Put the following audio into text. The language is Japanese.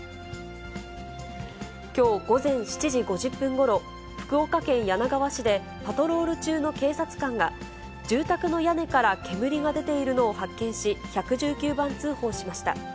きょう午前７時５０分ごろ、福岡県柳川市で、パトロール中の警察官が、住宅の屋根から煙が出ているのを発見し、１１９番通報しました。